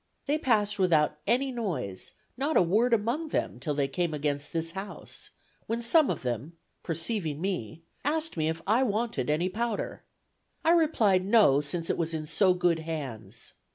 They passed without any noise, not a word among them till they came against this house, when some of them, perceiving me, asked me if I wanted any powder. I replied, no, since it was in so good hands.